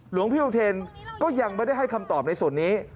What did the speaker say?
หลวงพี่อุเทนก็ยังไม่ได้ให้คำตอบในส่วนนี้